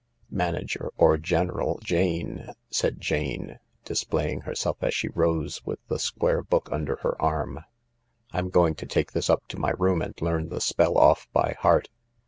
Manager, or General, Jane," said Jane, displaying herself as she rose with the square book under her arm. 1 ' I'm going to take this up to my room and learn the spell off by heart.